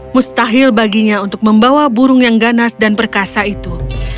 mustahil baginya untuk membawa burung yang ganas dan perkasa itu